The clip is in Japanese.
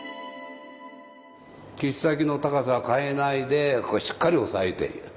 切っ先の高さは変えないでここしっかり押さえている。